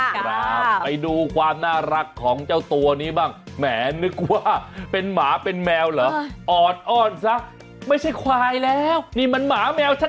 ครับไปดูความน่ารักของเจ้าตัวนี้บ้างแหมนึกว่าเป็นหมาเป็นแมวเหรอออดอ้อนซะไม่ใช่ควายแล้วนี่มันหมาแมวชัด